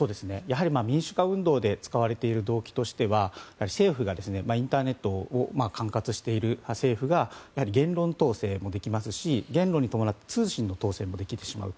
民主化運動で使われている動機としてはインターネットを管轄している政府が言論統制もできますしそれに伴って通信の統制もできてしまうと。